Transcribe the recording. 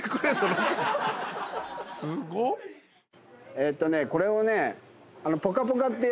えっとねこれをね。